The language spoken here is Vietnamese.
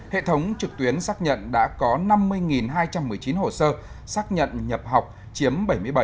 hệ thống trực tuyến xác nhận đã có năm mươi hai trăm một mươi chín hồ sơ xác nhận nhập học chiếm bảy mươi bảy tám mươi bảy